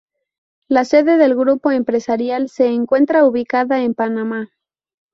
La sede del grupo empresarial se encuentra ubicada en Panamá.